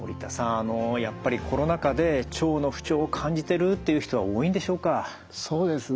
あのやっぱりコロナ禍で腸の不調を感じてるっていう人は多いんでしょうか？